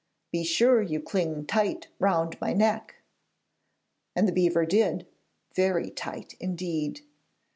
Be sure you cling tight round my neck.' And the beaver did very tight indeed.